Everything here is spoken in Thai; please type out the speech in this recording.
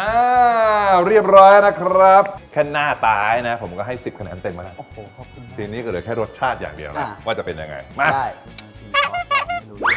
อ่าเรียบร้อยนะครับแค่หน้าตายนะผมก็ให้๑๐คะแนนเต็มมาแล้วทีนี้ก็เหลือแค่รสชาติอย่างเดียวนะว่าจะเป็นยังไงมา